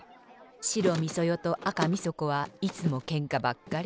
白みそ代と赤みそ子はいつもけんかばっかり。